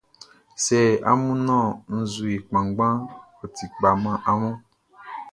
Sɛ amun nɔn nzue kpanngbanʼn, ɔ ti kpa man amun.